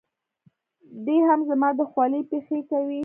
دی هم زما دخولې پېښې کوي.